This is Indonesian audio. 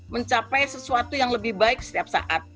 mencapai sesuatu yang lebih baik setiap saat